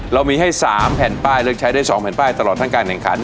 เรามีให้๓แผ่นป้ายเลือกใช้ได้๒แผ่นป้ายตลอดทั้งการแข่งขัน